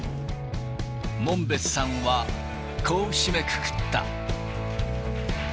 門別さんは、こう締めくくった。